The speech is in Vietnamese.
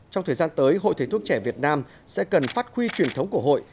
trong thời gian tới hội thầy thuốc trẻ việt nam sẽ cần phát huy truyền thống của hội